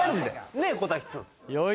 ねえ小瀧君？